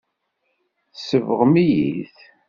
Tsebɣem-iyi-t.